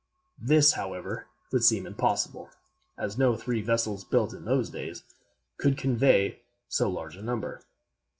This, however, would seem impossible, as no three vessels built in those days could convey so large a number.